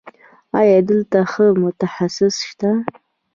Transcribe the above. ایا دلته ښه متخصص شته؟